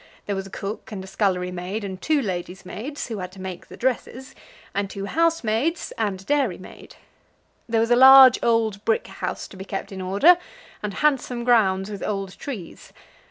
There was a cook and a scullery maid, and two lady's maids, who had to make the dresses, and two housemaids and a dairymaid. There was a large old brick house to be kept in order, and handsome grounds with old trees.